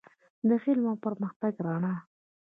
د علم او پرمختګ رڼا.